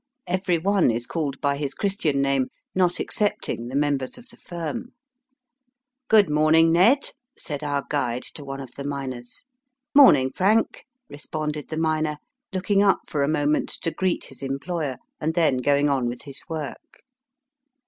Every one is called by his Christian name, not excepting the members of the firm. '* Good morning, Ned," said our guide to one of the miners. Digitized by VjOOQIC 84 EAST BY WEST. Morning, Frank," responded the miner, looking up for a moment to greet his employer, and then going on with his work.